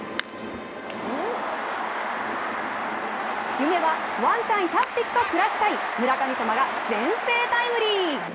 夢は、ワンちゃん１００匹と暮らしたい村神様が先制タイムリー！